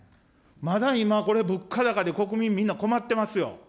まだ今これ、物価高で国民みんな困ってますよ。